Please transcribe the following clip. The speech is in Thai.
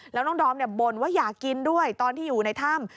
แล้วน้องดอมบ่นว่าอยากกินด้วยตอนที่อยู่ในถ้ำ